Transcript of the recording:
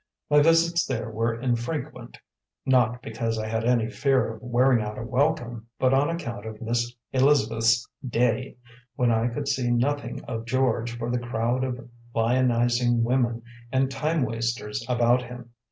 My visits there were infrequent, not because I had any fear of wearing out a welcome, but on account of Miss Elizabeth's "day," when I could see nothing of George for the crowd of lionising women and time wasters about him.